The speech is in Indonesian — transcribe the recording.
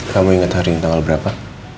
kamu ingat hari ini tanggal berapa